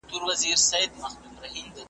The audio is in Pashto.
خو ما یوه شېبه خپل زړه تش کړ `